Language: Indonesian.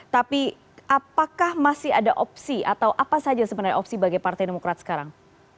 tapi apakah masih ada opsi atau apa saja sebenarnya opsi bagi partai demokrat sekarang